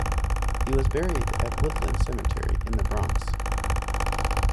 He was buried at Woodlawn Cemetery in the Bronx.